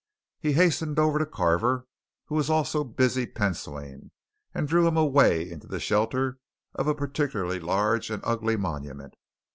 He hastened over to Carver who was also busy pencilling, and drew him away into the shelter of a particularly large and ugly monument.